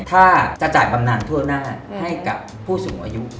ถ้าจะจ่ายบำนานทั่วหน้าให้กับผู้สูงอายุ